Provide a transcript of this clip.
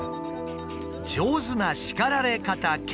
上手な叱られ方研修。